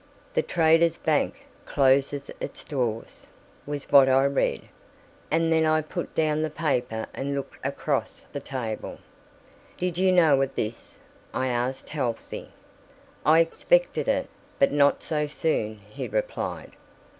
"The Traders' Bank closes its doors!" was what I read, and then I put down the paper and looked across the table. "Did you know of this?" I asked Halsey. "I expected it. But not so soon," he replied.